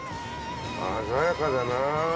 鮮やかだな。